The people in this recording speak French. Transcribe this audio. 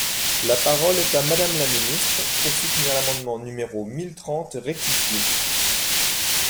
La parole est à Madame la ministre, pour soutenir l’amendement numéro mille trente rectifié.